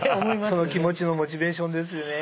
その気持ちのモチベーションですね。